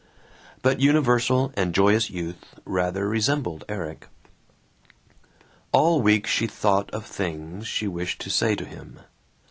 ... But universal and joyous youth rather resembled Erik. All week she thought of things she wished to say to him.